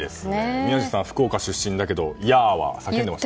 宮司さん、福岡出身だけどヤーは叫んでました？